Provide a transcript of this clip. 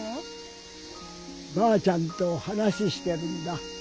ばあちゃんと話してるんだ。